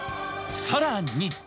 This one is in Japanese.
さらに。